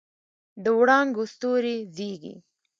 د وړانګو ستوري زیږي